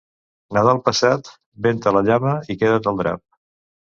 Nadal passat, ven-te la llana i queda't el drap.